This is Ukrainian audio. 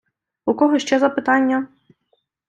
У кого ще запитання?